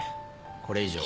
これ以上は。